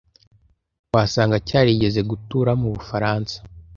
wasanga cyarigeze gutura mubufaransa.